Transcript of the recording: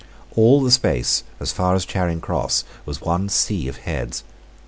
All the space as far as Charing Cross was one sea of heads.